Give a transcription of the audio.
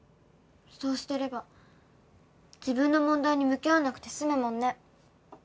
そうしていれば自分の問題に向き合わなくて済むもんね。